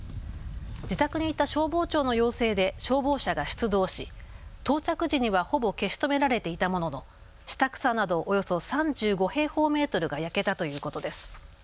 自宅にいた消防長の要請で消防車が出動し到着時にはほぼ消し止められていたものの下草などおよそ３５平方メートルが焼けたということです。